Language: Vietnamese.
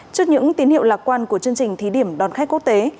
trước những tín hiệu lạc quan của chương trình thí điểm đón khách quốc tế